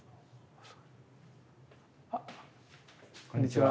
あっこんにちは。